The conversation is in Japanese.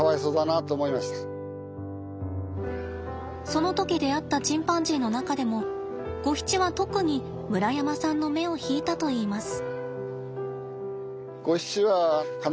その時出会ったチンパンジーの中でもゴヒチは特に村山さんの目を引いたといいます。